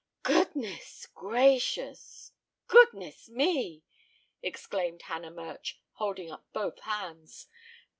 "Goodness! gracious! goodness me!" exclaimed Hannah Murch, holding up both hands.